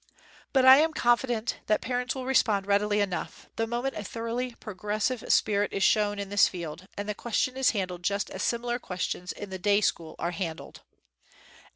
But, I am confident that parents will respond readily enough, the moment a thoroughly progressive spirit is shown in this field and the question is handled just as similar questions in the day school are handled.